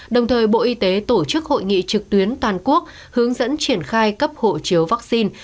đồng thời bộ y tế tổ chức hội nghị trực tuyến toàn quốc hướng dẫn triển khai cấp hộ chiếu vaccine